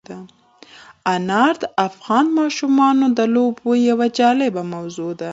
انار د افغان ماشومانو د لوبو یوه جالبه موضوع ده.